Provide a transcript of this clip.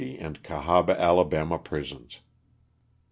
and Oahaba, Ala., prisons.